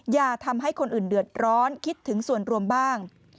อย่าทำให้คนอื่นเดือดร้อนคิดถึงส่วนรวมบ้าง